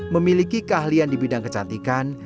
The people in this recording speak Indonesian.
memiliki keahlian di bidang kecantikan